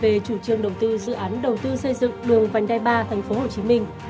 về chủ trương đầu tư dự án đầu tư xây dựng đường vành đai ba tp hcm